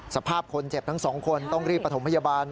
สภาพคนเจ็บทั้งสองคนต้องรีบประถมพยาบาล